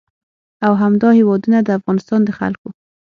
او همدا هېوادونه د افغانستان د خلکو